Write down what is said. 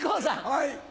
はい。